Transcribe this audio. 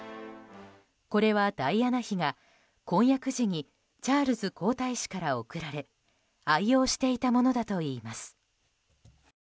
これは、ダイアナ妃が婚約時にチャールズ皇太子から贈られ愛用していたものだといいます。